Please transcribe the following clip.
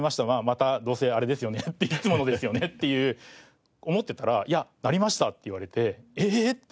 またどうせあれですよねっていつものですよねっていう思ってたら「いやなりました」って言われてええっ！？